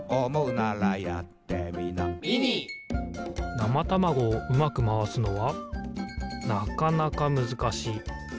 なまたまごをうまくまわすのはなかなかむずかしい。